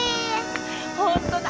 本当だ！